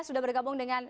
sudah bergabung dengan